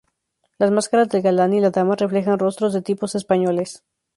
Las máscaras del galán y la dama reflejan rostros de tipos españoles.